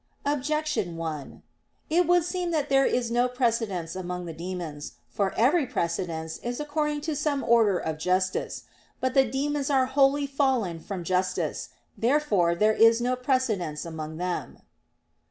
Objection 1: It would seem that there is no precedence among the demons. For every precedence is according to some order of justice. But the demons are wholly fallen from justice. Therefore there is no precedence among them.